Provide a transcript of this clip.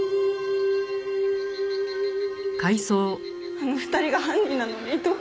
あの２人が犯人なのにどうして？